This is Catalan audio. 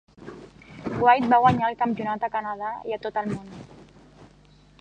White va guanyar el campionat a Canadà i a tot el món.